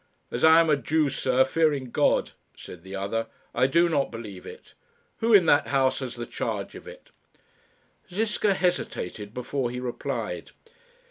"As I am a Jew, sir, fearing God," said the other, "I do not believe it. Who in that house has the charge of it?" Ziska hesitated before he replied.